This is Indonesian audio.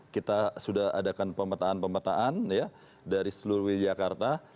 kita sudah adakan pemetaan pemetaan ya dari seluruh jakarta